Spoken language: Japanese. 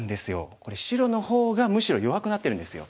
これ白の方がむしろ弱くなってるんですよ。